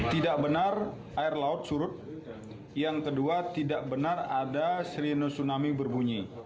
tidak benar air laut surut yang kedua tidak benar ada serino tsunami berbunyi